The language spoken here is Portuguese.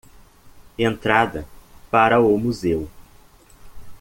Entrada para o museu